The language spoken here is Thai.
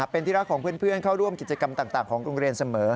เป็นที่รักของเพื่อนเข้าร่วมกิจกรรมต่างของโรงเรียนเสมอ